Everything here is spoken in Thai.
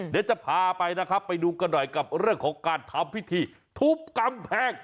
เดี๋ยวจะพาไปนะครับไปดูกันหน่อยกับเรื่องของการทำพิธีทุบกำแพง